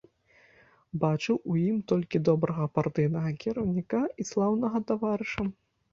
Бачыў у ім толькі добрага партыйнага кіраўніка і слаўнага таварыша.